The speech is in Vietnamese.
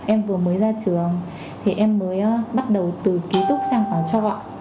em vừa mới ra trường thì em mới bắt đầu từ ký túc sang khóa trọng